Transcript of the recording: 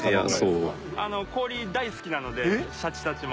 氷大好きなのでシャチたちも。